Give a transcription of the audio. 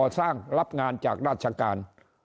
สร้างรับงานจากราชการ